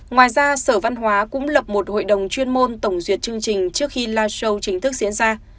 ngoài ra sở văn hóa cũng lập một hội đồng chuyên môn tổng duyệt chương trình trước khi live show chính thức diễn ra